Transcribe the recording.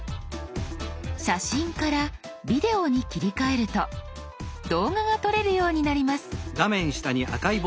「写真」から「ビデオ」に切り替えると動画が撮れるようになります。